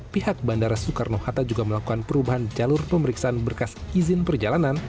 pihak bandara soekarno hatta juga melakukan perubahan jalur pemeriksaan berkas izin perjalanan